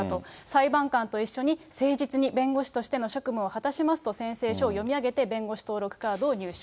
裁判官と一緒に誠実に弁護士としての職務を果たしますと、宣誓書を読み上げて、弁護士登録カードを入手。